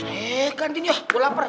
eh gantinya gue lapar